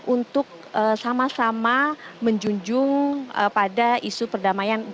untuk sama sama menjunjung pada isu perdamaian